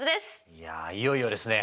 いやいよいよですね！